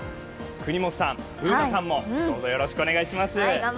國本さん、Ｂｏｏｎａさんもどうぞよろしくお願いします。